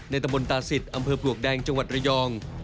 ตะบนตาศิษย์อำเภอปลวกแดงจังหวัดระยอง